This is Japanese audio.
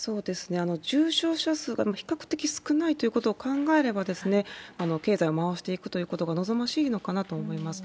重症者数が比較的少ないということを考えれば、経済を回していくということが望ましいのかなと思います。